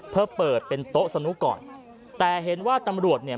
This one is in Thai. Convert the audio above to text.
เพื่อเปิดเป็นโต๊ะสนุกก่อนแต่เห็นว่าตำรวจเนี่ย